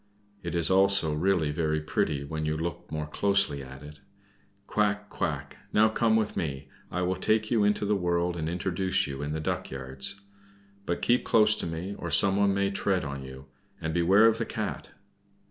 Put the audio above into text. It is also really very pretty, when you look more closely at it. Quack! quack! now come with me, I will take you into the world and introduce you in the duck yards. But keep close to me, or someone may tread on you; and beware of the Cat."